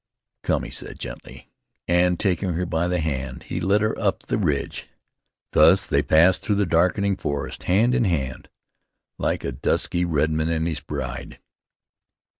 "Come," he said gently, and, taking her by the hand, he led her up the ridge. Thus they passed through the darkening forest, hand in hand, like a dusky redman and his bride.